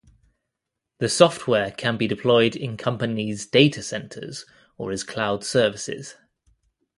The software can be deployed in companies' data centers, or as cloud services.